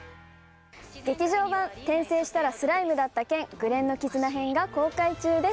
劇場版転生したらスライムだった件紅蓮の絆編が、公開中です。